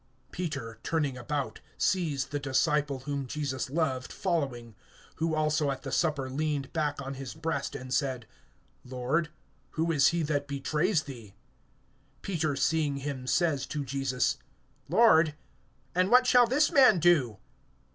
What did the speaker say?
(20)Peter, turning about, sees the disciple whom Jesus loved following; who also at the supper leaned back on his breast, and said: Lord, who is he that betrays thee? (21)Peter seeing him says to Jesus: Lord, and what shall this man do?